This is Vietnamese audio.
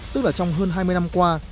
tức là trong hơn hai mươi năm qua